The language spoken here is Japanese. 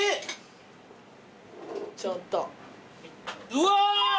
うわ！